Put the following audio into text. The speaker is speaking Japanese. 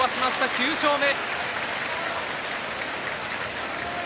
９勝目。